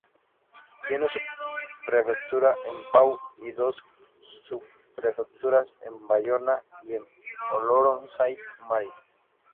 Tiene su prefectura en Pau y dos subprefecturas en Bayona y en Oloron-Sainte-Marie.